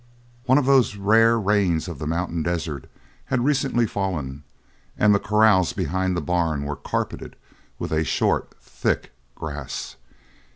One of those rare rains of the mountain desert had recently fallen and the corrals behind the barn were carpeted with a short, thick grass.